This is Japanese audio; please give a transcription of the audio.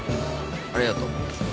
ありがと。